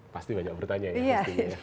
pasti banyak bertanya ya